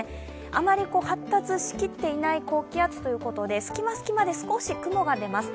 あまり発達しきっていない高気圧ということで、隙間隙間で少し雲が出ます。